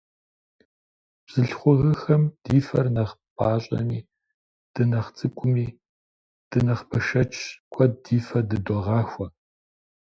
Бзылъхугъэхэм ди фэр нэхъ пӀащӀэми, дынэхъ цӀыкӀуми, дынэхъ бэшэчщ, куэд ди фэ дыдогъахуэ.